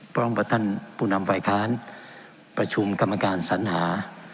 พระองค์ประทันปุณำฝ่ายค้านประชุมกรรมการสัญหาฯ